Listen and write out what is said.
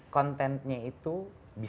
kontennya itu bisa diperbaiki